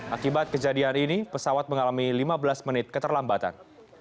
akibat kejadian ini pesawat mengalami lima belas menit keterlambatan